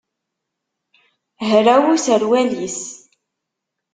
Hraw userwal-is.